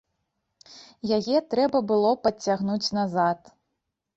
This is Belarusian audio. Яе трэба было падцягнуць назад.